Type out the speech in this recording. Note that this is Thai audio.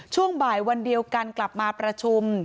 ช่วงบ่ายวันเดียวกันกลับมาประชุม